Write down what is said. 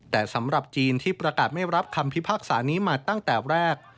แต่สำหรับจีนที่ประกาศไม่รับคำพิพากษานี้มาตั้งแต่แรก